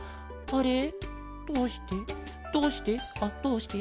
あっどうして？